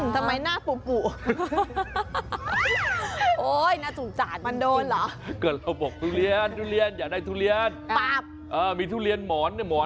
ทำไมเราน่ารึไง